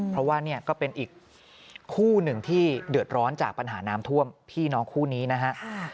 เพราะว่าเนี่ยก็เป็นอีกคู่หนึ่งที่เดือดร้อนจากปัญหาน้ำท่วมพี่น้องคู่นี้นะฮะ